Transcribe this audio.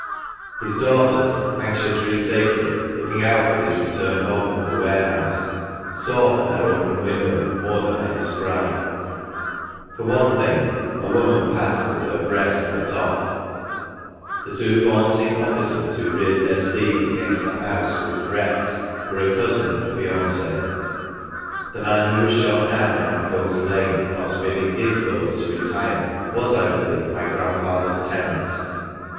His daughters, anxious for his safety, looking out for his return home from the warehouse, saw from their open window more than I describe ; for one thing— a woman passed with her breast cut off; the two vaunting officers who reared their steeds against the house with threats were a cousin and a f.anci\ the man who was shot down in Ancoats Lane, whilst bidding fit's girls to retire, was, I believe, my grandfather's tenant.